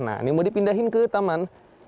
nah ini mau dipindahin ke taman